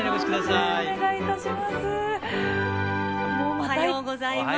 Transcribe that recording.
おはようございます。